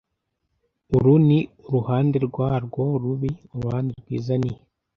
Uru ni uruhande rwarwo rubi. Uruhande rwiza ni